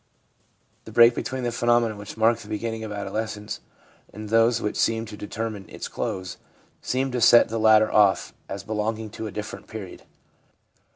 The break between the phenomena which mark the beginning of adolescence and those which seem to determine its close seem to set the latter off as belong ing to a different period.